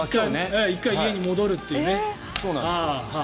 １回、家に戻るというね。